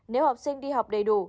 nếu học sinh đi học đầy đủ